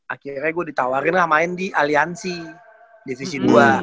akhirnya gue ditawarin lah main di aliansi divisi gue